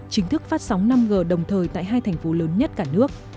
chính thức phát sóng năm g đồng thời tại hai thành phố lớn nhất cả nước